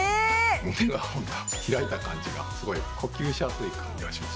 手が開いた感じが呼吸しやすい感じがします